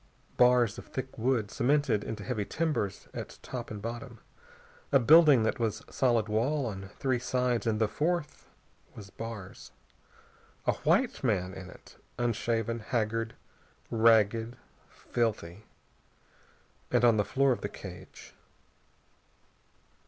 Bars of thick wood, cemented into heavy timbers at top and bottom. A building that was solid wall on three sides, and the fourth was bars. A white man in it, unshaven, haggard, ragged, filthy. And on the floor of the cage....